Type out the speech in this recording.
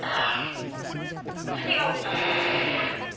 何が起きたの！？